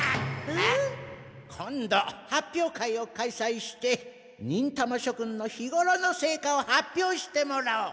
今度発表会を開催して忍たましょくんの日ごろの成果を発表してもらおう。